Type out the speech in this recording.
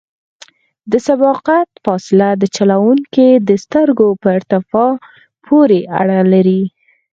د سبقت فاصله د چلوونکي د سترګو په ارتفاع پورې اړه لري